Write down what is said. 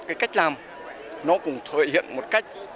cái cách làm nó cũng thể hiện một cách